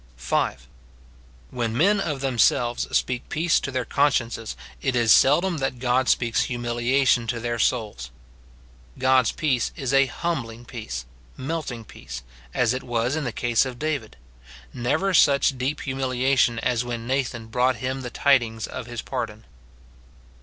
5. When men of themselves speak peace to their consciences, it is seldom that God speaks humiliation to their souls. God's peace is humbling peace, melting peace, as it was in the case of David ;* never such deep humiliation as when Nathan brought him the tidings of his pardon.